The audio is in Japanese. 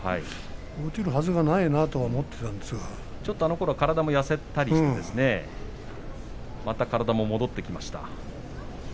落ちるはずがないなと思ってたんちょっとあのときは体も痩せたりしてましたがまた体も戻ってきました。